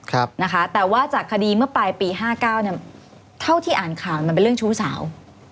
ครับนะคะแต่ว่าจากคดีเมื่อปลายปีห้าเก้าเนี่ยเท่าที่อ่านข่าวมันเป็นเรื่องชู้สาว